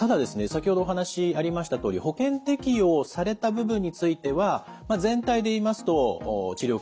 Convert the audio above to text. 先ほどお話ありましたとおり保険適用された部分については全体で言いますと治療受けやすくなったであろうと。